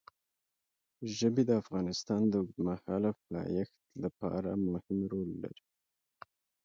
ژبې د افغانستان د اوږدمهاله پایښت لپاره مهم رول لري.